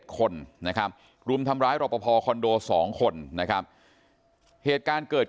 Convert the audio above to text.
คนนะครับรุมทำร้ายรอปภคอนโด๒คนนะครับเหตุการณ์เกิด